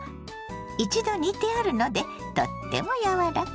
一度煮てあるのでとっても柔らか。